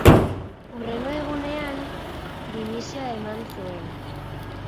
Hurrengo egunean, dimisioa eman zuen.